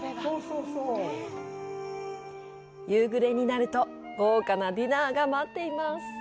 夕暮れになると豪華なディナーが待っています。